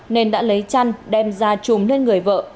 nên đã lấy chăn đem ra chùm lên người vợ